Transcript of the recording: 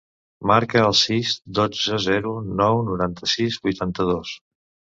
Marca el sis, dotze, zero, nou, noranta-sis, vuitanta-dos.